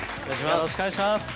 よろしくお願いします。